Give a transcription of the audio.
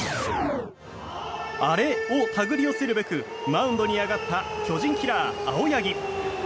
アレを手繰り寄せるべくマウンドに上がった巨人キラー青柳。